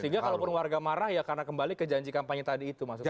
sehingga kalaupun warga marah ya karena kembali ke janji kampanye tadi itu maksudnya